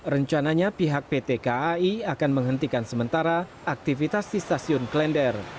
rencananya pihak pt kai akan menghentikan sementara aktivitas di stasiun klender